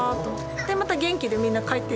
でまた元気でみんな帰っていくから。